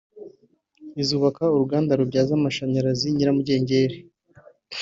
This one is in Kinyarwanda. izubaka uruganda rubyaza amashanyarazi Nyiramugengeri